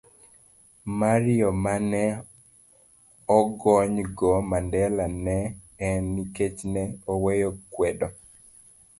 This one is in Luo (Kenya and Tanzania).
C. mar Yo ma ne ogonygo Mandela ne en nikech ne oweyo kwedo